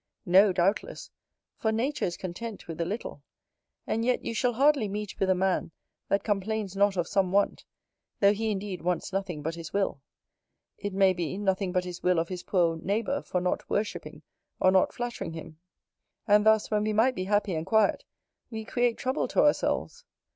No, doubtless; for nature is content with a little. And yet you shall hardly meet with a man that complains not of some want; though he, indeed, wants nothing but his will; it may be, nothing but his will of his poor neighbour, for not worshipping, or not flattering him: and thus, when we might be happy and quiet, we create trouble to ourselves.